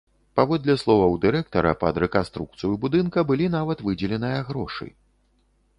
Паводле словаў дырэктара, пад рэканструкцыю будынка былі нават выдзеленыя грошы.